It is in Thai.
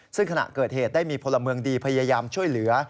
ซึ่งขณะเกิดเหตุได้มีพลเมืองดีพยายามช่วยเหลือ